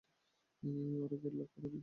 ওরা gate lock করে দিতে পারে।